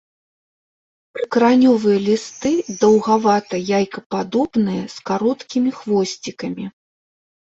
Прыкаранёвыя лісты даўгавата-яйкападобныя, з кароткімі хвосцікамі.